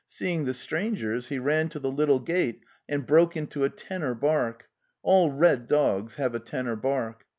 Seeing the strangers, he ran to the little gate and broke into a tenor bark (all red dogs have a tenor bark).